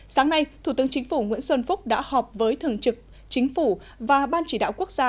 sáng nay thủ tướng chính phủ nguyễn xuân phúc đã họp với thường trực chính phủ và ban chỉ đạo quốc gia